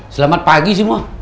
selamat pagi semua